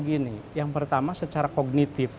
gini yang pertama secara kognitif